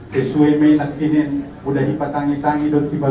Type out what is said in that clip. sesuai dengan kemampuan ini mudahnya kita menanggung dan kita berpikir pikir